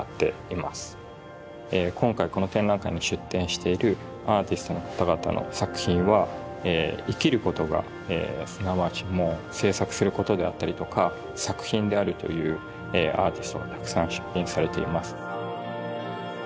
今回この展覧会に出展しているアーティストの方々の作品は生きることがすなわち制作することであったりとか作品であるというアーティストがたくさん出品されています。